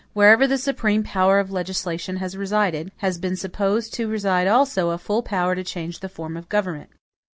Wherever the supreme power of legislation has resided, has been supposed to reside also a full power to change the form of the government.